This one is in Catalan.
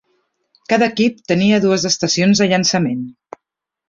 Cada equip tenia dues estacions de llançament.